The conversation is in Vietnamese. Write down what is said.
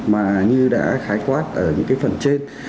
mà như đã khái quát ở những cái phần trên